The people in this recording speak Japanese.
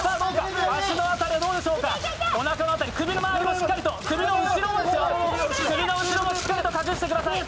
足の辺りはどうでしょう、おなかの辺り、首の周りも、首の後ろもしっかりと隠してください。